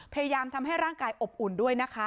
พยายามทำให้ร่างกายอบอุ่นด้วยนะคะ